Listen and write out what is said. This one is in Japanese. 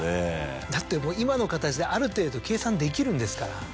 だって今の形である程度計算できるんですから。